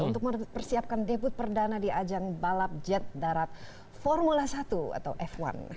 untuk mempersiapkan debut perdana di ajang balap jet darat formula satu atau f satu